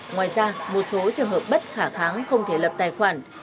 ngoài ra một số trường hợp bất khả kháng không thể lập tài khoản